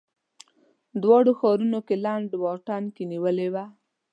دواړو ښارونو کې لنډ واټن کې نیولې وې.